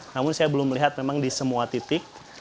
namun saya belum melihat memang di semua titik